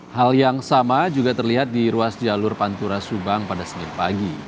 hal yang sama juga terlihat di ruas jalur pantura subang pada senin pagi